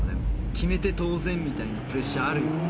決めて当然みたいなプレッシャーあるよ。